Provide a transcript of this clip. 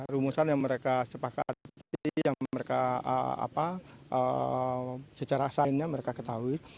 rumusan yang mereka sepakati yang mereka secara sainsnya mereka ketahui